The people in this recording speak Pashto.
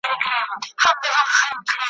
په کاله کی یې لوی کړي ځناور وي ,